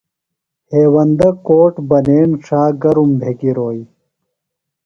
ہیوندہ کوٹ بنین ݜا گرُم بھےۡ گِروئی